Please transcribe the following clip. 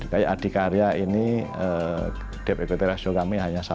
kayak adhikarya ini depth equity ratio kami hanya satu satu